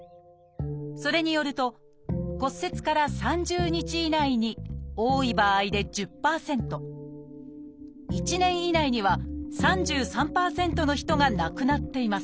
それによると骨折から３０日以内に多い場合で１０％１年以内には３３％の人が亡くなっています。